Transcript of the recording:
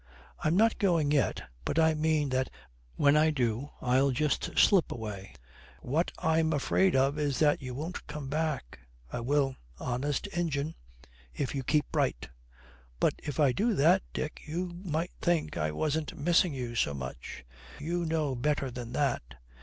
'I'm not going yet; but I mean that when I do I'll just slip away.' 'What I am afraid of is that you won't come back.' 'I will honest Injun if you keep bright.' 'But, if I do that, Dick, you might think I wasn't missing you so much.' 'We know better than that.